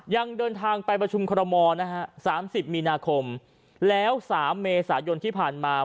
ยังเดินทางไปประชุมคอรมอลนะฮะ๓๐มีนาคมแล้ว๓เมษายนที่ผ่านมา